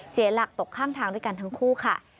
เสียหลักตกข้างทางด้วยกันทั้งคู่ค่ะ